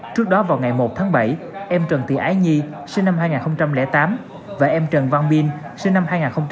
trước đó vào ngày một tháng bảy em trần thị ái nhi sinh năm hai nghìn tám và em trần văn binh sinh năm hai nghìn một mươi một